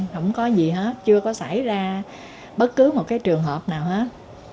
không có gì hết chưa có xảy ra bất cứ một cái trường hợp nào hết